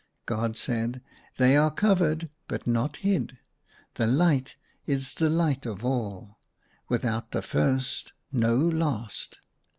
God said, " They are covered, but not hid. The light is the light of all. With out the first, no last."